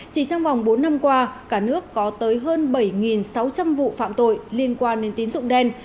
chỉ trong vòng bốn năm qua cả nước có tới hơn bảy sáu trăm linh vụ phạm tội liên quan đến tín dụng đen